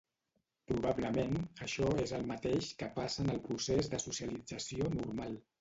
Probablement, això és el mateix que passa en el procés de socialització normal.